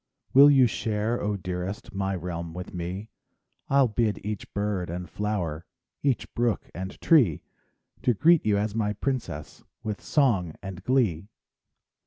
Will you share, oh, dearest, My realm with me? I'll bid each bird and flower, Each brook and tree, To greet you as my princess With song and glee.